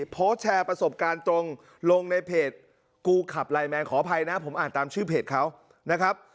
โพสต์แชร์ประสบการณ์ตรงลงในเพจกูขับไลนแมนขออภัยนะผมอ่านตามชื่อเพจเขานะครับ